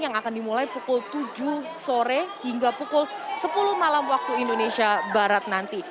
yang akan dimulai pukul tujuh sore hingga pukul sepuluh malam waktu indonesia barat nanti